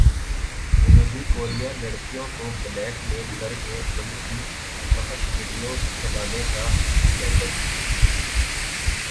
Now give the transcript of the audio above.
جنوبی کوریا لڑکیوں کو بلیک میل کرکے ان کی فحش ویڈیوز پھیلانے کا اسکینڈل